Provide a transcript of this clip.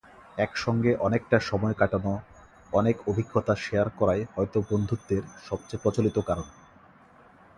একসঙ্গে অনেকটা সময় কাটানো, অনেক অভিজ্ঞতা শেয়ার করাই হয়তো বন্ধুত্বের সবচেয়ে প্রচলিত কারণ।